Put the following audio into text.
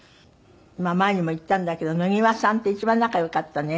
前にも言ったんだけど野際さんって一番仲良かったの。